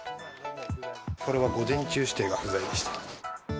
これは午前中指定が不在でした。